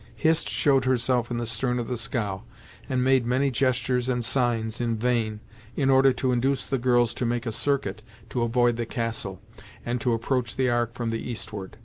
Hist showed herself in the stern of the scow, and made many gestures and signs, in vain, in order to induce the girls to make a circuit to avoid the Castle, and to approach the Ark from the eastward.